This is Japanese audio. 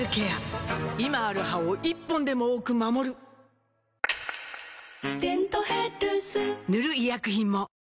今ある歯を１本でも多く守る「デントヘルス」塗る医薬品も